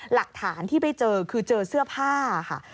หลักฐานที่ไปเจอคือเจอเสื้อผ้าค่ะ